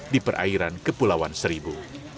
di perairan kepulauan seribu